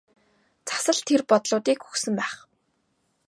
Цас л тэр бодлуудыг өгсөн байх.